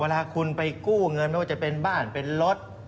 เวลาคุณไปกู้เงินไม่ว่าจะเป็นบ้านเป็นรถ